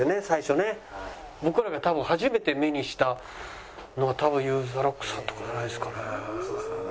僕らが多分初めて目にしたのは多分ＹＯＵＴＨＥＲＯＣＫ★さんとかじゃないですかね。